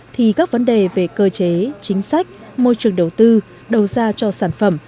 thì các vấn đề về cơ chế chính sách môi trường đầu tư đầu ra cho sản phẩm